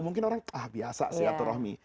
mungkin orang ah biasa silaturahmi